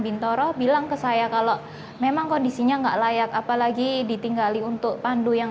bintoro bilang ke saya kalau memang kondisinya enggak layak apalagi ditinggali untuk pandu yang